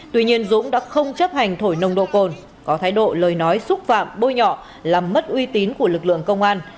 tuy nhiên dũng đã không chấp hành thổi nồng độ cồn có thái độ lời nói xúc phạm bôi nhọ làm mất uy tín của lực lượng công an